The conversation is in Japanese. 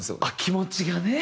気持ちが。